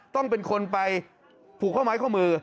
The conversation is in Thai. ต้องเป็นคนไปผูกข้อไม้ข้อมือ